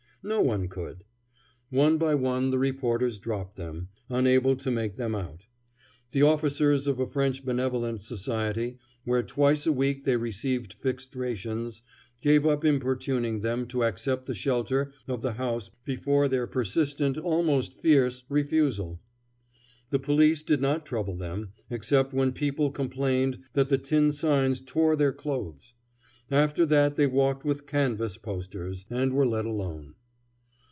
No one could. One by one, the reporters dropped them, unable to make them out. The officers of a French benevolent society, where twice a week they received fixed rations, gave up importuning them to accept the shelter of the house before their persistent, almost fierce, refusal. The police did not trouble them, except when people complained that the tin signs tore their clothes. After that they walked with canvas posters, and were let alone.